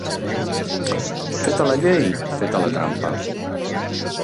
Feta la llei, feta la trampa.